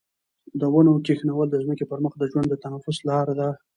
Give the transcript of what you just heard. د ونو کښېنول د ځمکې پر مخ د ژوند د تنفس لاره ده.